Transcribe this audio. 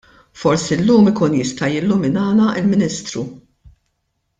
Forsi llum ikun jista' jilluminana l-Ministru.